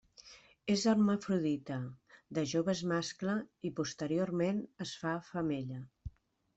És hermafrodita, de jove és mascle i posteriorment es fa femella.